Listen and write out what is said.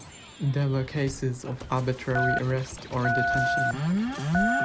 There were cases of arbitrary arrest or detention.